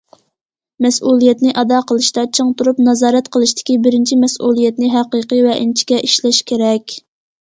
مەسئۇلىيەتنى ئادا قىلىشتا چىڭ تۇرۇپ، نازارەت قىلىشتىكى بىرىنچى مەسئۇلىيەتنى ھەقىقىي ۋە ئىنچىكە ئىشلەش كېرەك.